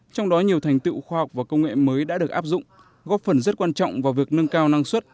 trong đó nhiều thành tựu khoa học và công nghệ mới đã được áp dụng góp phần rất quan trọng vào việc nâng cao năng suất